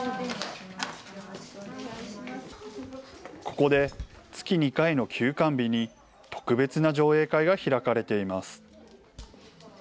ここで月２回の休館日に、特別な上映会が開かれています。